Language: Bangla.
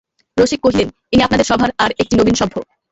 রসিক কহিলেন, ইনি আপনাদের সভার আর একটি নবীন সভ্য।